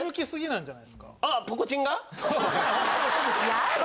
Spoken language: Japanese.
やだ。